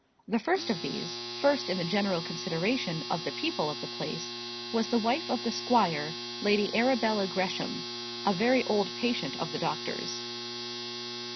The first of these first in the general consideration of the people of the place was the wife of the squire, Lady Arabella Gresham, a very old patient of the doctor's.